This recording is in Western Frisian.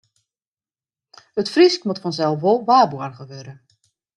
It Frysk moat fansels wol waarboarge wurde.